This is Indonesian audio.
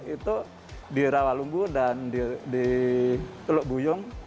itu di rawalumbu dan di teluk buyung